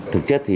thực chất thì